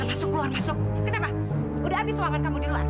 papa tegaskan sama kalian